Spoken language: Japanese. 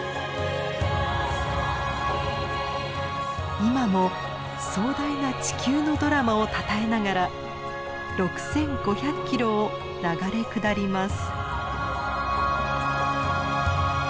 今も壮大な地球のドラマをたたえながら６，５００ｋｍを流れ下ります。